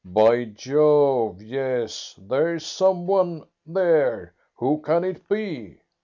"By Jove, yes; there's some one there. Who can it be?"